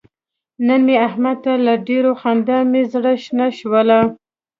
نن مې احمد ته له ډېرې خندا مې زره شنه شوله.